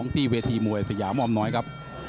ที่เวทีมวยสยามออมน้อยครับ